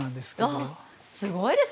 ああすごいですね